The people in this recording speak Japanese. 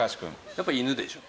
やっぱ犬でしょ。